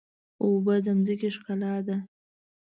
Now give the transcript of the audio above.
اوبه د ځمکې ښکلا ده.